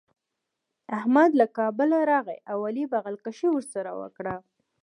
احمد له کابله راغی او علي بغل کښي ورسره وکړه.